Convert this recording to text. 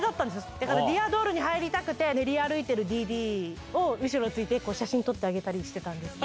だからＤｅａｒＤｏｌｌについて、練り歩いてるＤＤを後ろについて写真撮ってあげたりしてたんです。